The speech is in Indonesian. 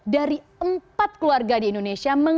dari empat keluarga di indonesia